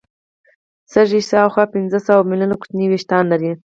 سږي شاوخوا پنځه سوه ملیونه کوچني وېښتان لري.